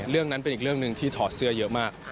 เรื่องนั้นเป็นอีกเรื่องหนึ่งที่ถอดเสื้อเยอะมาก